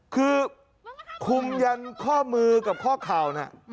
คือคุมยันข้อมือกับข้อเข่าน่ะ